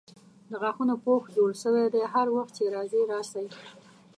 د غاښونو پوښ جوړ سوی دی هر وخت چې راځئ راسئ.